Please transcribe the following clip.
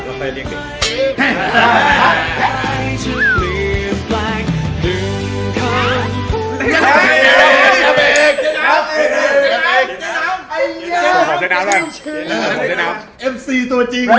ขอโทษให้ชั้นที่นี่นะ